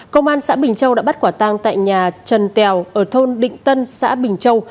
công an xã bình châu đã bắt quả tang tại nhà trần tèo ở thôn định tân xã bình châu